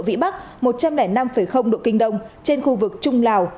vị bắc một trăm linh năm độ kinh đông trên khu vực trung lào